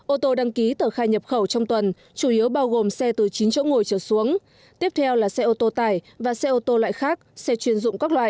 ô tô đăng ký tờ khai nhập khẩu trong tuần chủ yếu bao gồm xe từ chín chỗ ngồi trở xuống tiếp theo là xe ô tô tải và xe ô tô loại khác xe chuyên dụng các loại